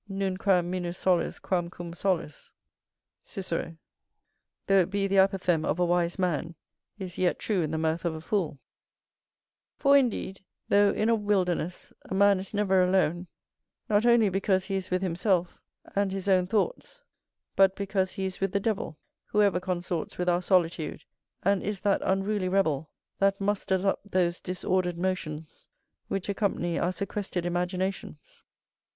"Nunquam minus solus quam cum solus,"[R] though it be the apothegm of a wise man is yet true in the mouth of a fool: for indeed, though in a wilderness, a man is never alone; not only because he is with himself, and his own thoughts, but because he is with the devil, who ever consorts with our solitude, and is that unruly rebel that musters up those disordered motions which accompany our sequestered imaginations.